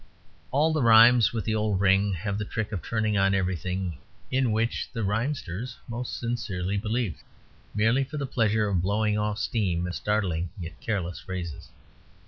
All the rhymes with the old ring have the trick of turning on everything in which the rhymsters most sincerely believed, merely for the pleasure of blowing off steam in startling yet careless phrases.